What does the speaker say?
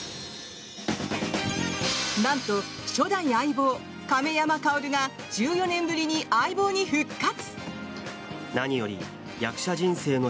なんと初代相棒・亀山薫が１４年ぶりに「相棒」に復活！